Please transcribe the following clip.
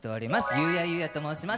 ゆうや裕夜と申します。